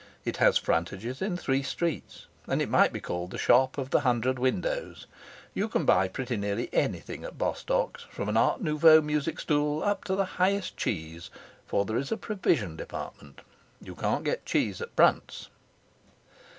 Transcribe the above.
It has frontages in three streets, and it might be called the shop of the hundred windows. You can buy pretty nearly anything at Bostock's, from an art nouveau music stool up to the highest cheese for there is a provision department. (You can't get cheese at Brunt's.)